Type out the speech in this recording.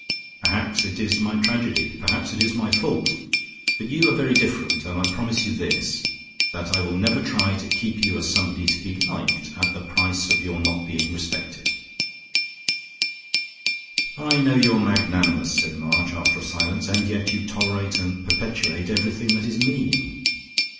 Perhaps it is my tragedy, perhaps it is my fault. But you are very different, and I promise you this: that I will never try to keep you as somebody to be liked, at the price of your not being respected." "I know you are magnanimous," said March after a silence, "and yet you tolerate and perpetuate everything that is mean."